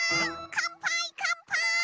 かんぱいかんぱい！